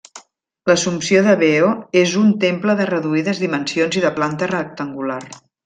L'Assumpció de Veo és un temple de reduïdes dimensions i de planta rectangular.